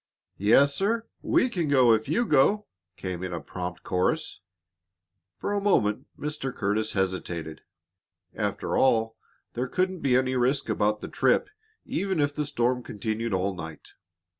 "Yes, sir. We can go if you go," came in a prompt chorus. For a moment Mr. Curtis hesitated. After all, there couldn't be any risk about the trip even if the storm continued all night.